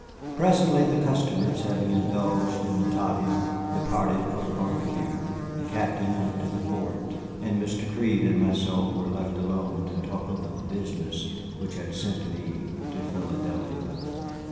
Presently the customers, having indulged in the toddy, departed for the barbecue, the Captain went to the fort, and Mr. Crede and myself were left alone to talk over the business which had sent me to Philadelphia.